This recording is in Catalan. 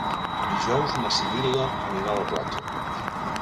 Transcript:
Dijous na Sibil·la anirà a la platja.